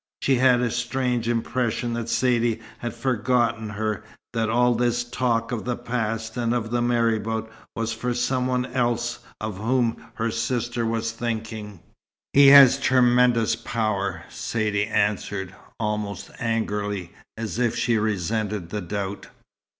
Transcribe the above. She had a strange impression that Saidee had forgotten her, that all this talk of the past, and of the marabout, was for some one else of whom her sister was thinking. "He has tremendous power," Saidee answered, almost angrily, as if she resented the doubt.